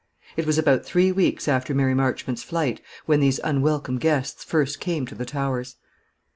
It was about three weeks after Mary Marchmont's flight when these unwelcome guests first came to the Towers.